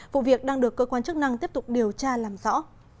vụ việc đang được cơ quan chức năng tiếp tục điều tra làm rõ